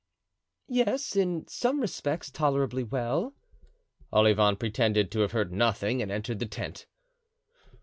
"Yes, in some respects, tolerably well." Olivain pretended to have heard nothing and entered the tent.